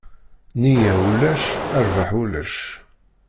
Nniya ulac, rrbaḥ ulac.